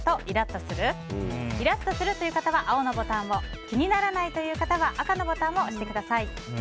イラッとするという方は青のボタンを気にならないという方は赤のボタンを押してください。